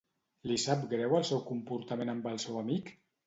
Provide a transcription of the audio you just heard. Li sap greu el seu comportament amb el seu amic?